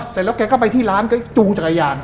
เสร็จแล้วแกก็ไปที่ร้านก็จูงจักรยาน